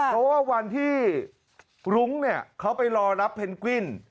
เพราะว่าวันที่รุ้งเนี่ยเขาไปรอรับเพนกวิน